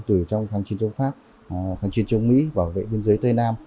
từ trong kháng chiến chống pháp kháng chiến chống mỹ bảo vệ biên giới tây nam